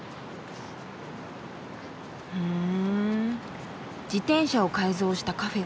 ふん自転車を改造したカフェ。